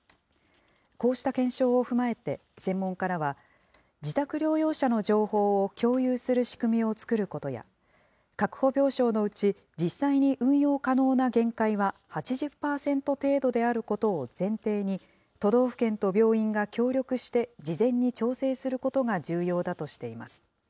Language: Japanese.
こうした検証を踏まえて専門家らは、自宅療養者の情報を共有する仕組みを作ることや、確保病床のうち、実際に運用可能な限界は８０％程度であることを前提に、都道府県と病院が協力して、事前に調整することが重要だとしています。